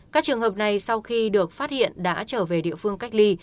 các trường hợp này sau khi được phát hiện đã trở về địa phương cách ly